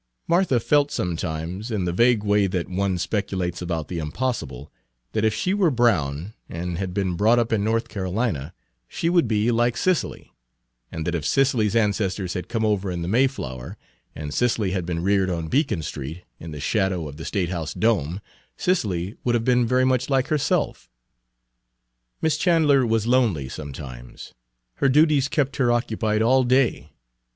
Martha felt sometimes, in the vague way that one Page 154 speculates about the impossible, that if she were brown, and had been brought up in North Carolina, she would be like Cicely; and that if Cicely's ancestors had come over in the Mayflower, and Cicely had been reared on Beacon Street, in the shadow of the State House dome, Cicely would have been very much like herself. Miss Chandler was lonely sometimes. Her duties kept her occupied all day.